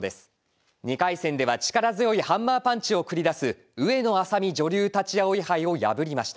２回戦では力強いハンマーパンチを繰り出す上野愛咲美女流立葵杯を破りました。